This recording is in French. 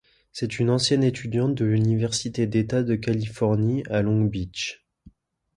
C’est une ancienne étudiante de l’Université d'État de Californie à Long Beach.